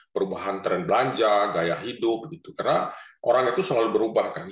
perubahan tren belanja gaya hidup karena orang itu selalu berubah kan